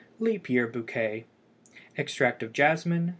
LEAP YEAR BOUQUET. Extract of jasmine 3 pints.